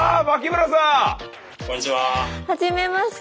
はじめまして。